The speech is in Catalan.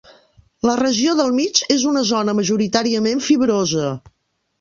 La regió del mig és una zona majoritàriament fibrosa.